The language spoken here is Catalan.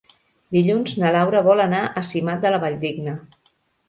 Dilluns na Laura vol anar a Simat de la Valldigna.